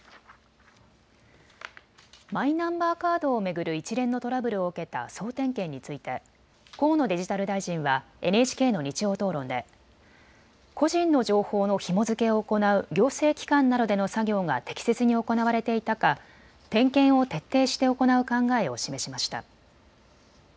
マイナンバーカードを巡る一連のトラブルを受けた総点検について河野デジタル大臣はＮＨＫの日曜討論で個人の情報のひも付けを行う行政機関などでの作業が適切に行われていたか点検を徹底して行う考えを示しました。